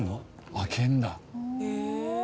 開けるんだ。